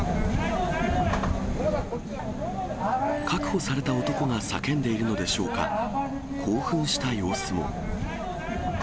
確保された男が叫んでいるのでしょうか、興奮した様子も。